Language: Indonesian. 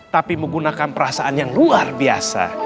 tapi menggunakan perasaan yang luar biasa